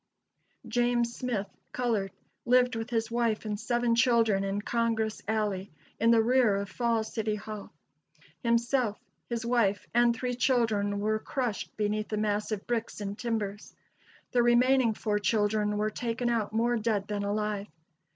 James Smith (colored) lived with his wife and seven children in Congress Alley, in the rear of Falls City Hall. Himself, his wife and three children were crushed beneath the mass of bricks and timbers; the remaining four children were taken out more dead than alive.